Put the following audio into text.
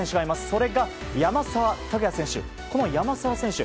それが、山沢拓也選手。